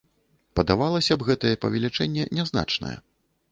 Падавалася б, гэтае павелічэнне нязначнае.